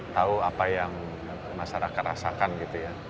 tahu apa yang masyarakat rasakan gitu ya